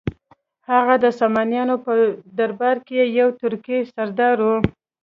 هغه د سامانیانو په درباره کې یو ترکي سردار و.